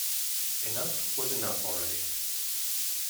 Enough was enough already.